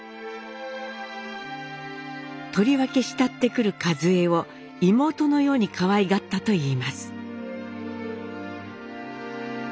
とりわけ慕ってくるカズエを妹のようにかわいがったといいます。